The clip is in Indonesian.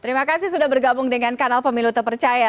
terima kasih sudah bergabung dengan kanal pemilu terpercaya